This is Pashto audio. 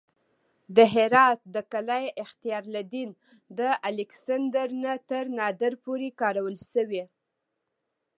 د هرات د قلعه اختیارالدین د الکسندر نه تر نادر پورې کارول شوې